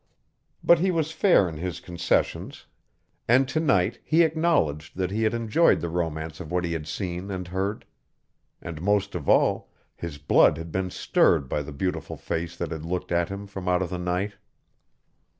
But he was fair in his concessions, and to night he acknowledged that he had enjoyed the romance of what he had seen and heard. And most of all, his blood had been stirred by the beautiful face that had looked at him from out of the night.